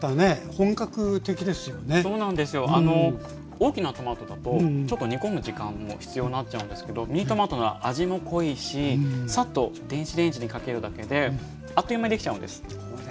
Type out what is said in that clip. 大きなトマトだとちょっと煮込む時間も必要なっちゃうんですけどミニトマトなら味も濃いしサッと電子レンジにかけるだけであっという間に出来ちゃうんです。